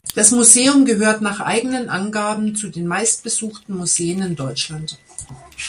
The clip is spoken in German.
Das Museum gehört nach eigenen Angaben zu den meistbesuchten Museen in Deutschland.